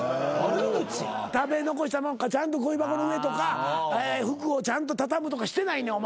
食べ残したもんちゃんとごみ箱の上とか服をちゃんと畳むとかしてないねんお前。